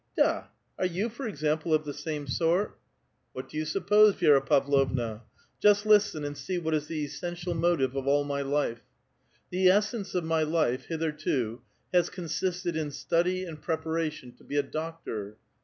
'' Da! are 3'ou, for example, of the same sort? "" Wliat do you suppose, Vi6ra Pavlovna? Just listen and see what is the essential motive of all my life. The essence of my life, hitherto, has consisted in study and preparation to be a doctor.